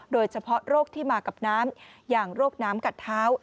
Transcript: โดยเฉพาะโรคที่มากับน้ำอย่างโรคน้ำกัดเท้า